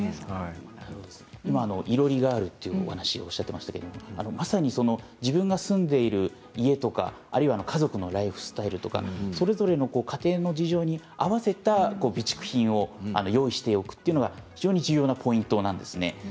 いろりがあるというお話をなさっていましたけれどもまさに自分が住んでいる家とか家族のライフスタイルとかそれぞれの家庭の事情に合わせた備蓄品を用意しておくというのが非常に重要なポイントなんですね。